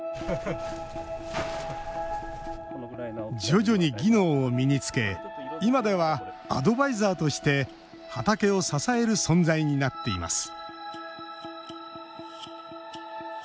徐々に技能を身につけ今ではアドバイザーとして畑を支える存在になっています